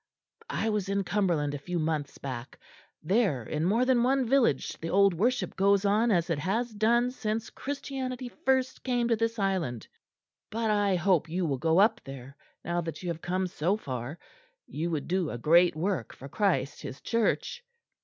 I was in Cumberland a few months back; there in more than one village the old worship goes on as it has done since Christianity first came to this island. But I hope you will go up there, now that you have come so far. You would do a great work for Christ his Church."